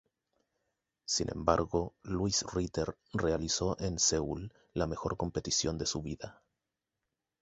Sin embargo Louise Ritter realizó en Seúl la mejor competición de su vida.